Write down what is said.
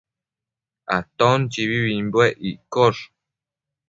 Aton chibibimbuec iccosh